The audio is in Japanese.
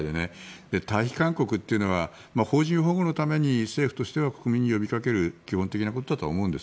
退避勧告というのは邦人保護のために政府としては国民に呼びかける基本的なことだと思うんです。